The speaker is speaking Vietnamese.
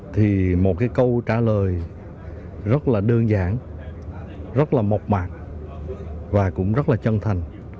thì một cái câu trả lời rất là đơn giản rất là mộc mạc và cũng rất là chân thành